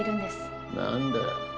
何だよ。